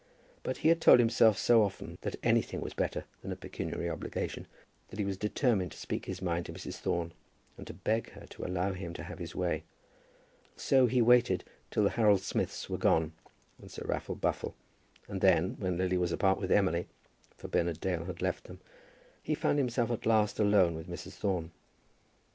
But he had told himself so often that anything was better than a pecuniary obligation, that he was determined to speak his mind to Mrs. Thorne, and to beg her to allow him to have his way. So he waited till the Harold Smiths were gone, and Sir Raffle Buffle, and then, when Lily was apart with Emily, for Bernard Dale had left them, he found himself at last alone with Mrs. Thorne.